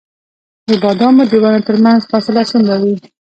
د بادامو د ونو ترمنځ فاصله څومره وي؟